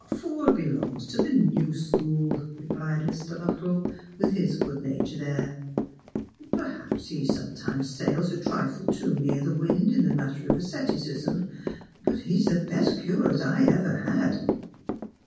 " Foi de belongs to the new school," replied Mr. Luttrell, with liis good natured air. "Perhaps he sometimes sails a trifle too tii'nr the wind in the matter of asceticism ; but he's the best curate I ever had."